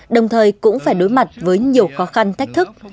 đồng thời cũng phải đối mặt với nhiều khó khăn thách thức